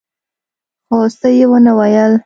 خو څه يې ونه ويل.